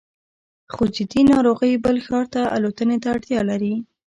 خو جدي ناروغۍ بل ښار ته الوتنې ته اړتیا لري